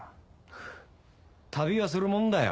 フッ旅はするもんだよ。